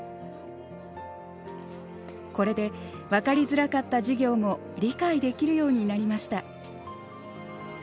これで分かりづらかった授業も理解できるようになりました。